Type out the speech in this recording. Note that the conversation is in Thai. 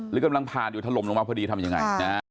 หรือกำลังผ่านที่และถล่มลงมาพอดีทำยังไง